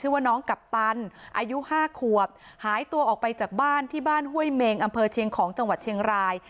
ว่าน้องกัปตันอายุ๕ขวบหายตัวออกไปจากบ้านที่บ้านห้วยเมงอำเภอเชียงของจังหวัดเชียงราย